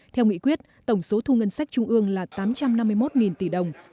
theo nghị quyết tổng số thu ngân sách trung ương là tám trăm năm mươi một tỷ đồng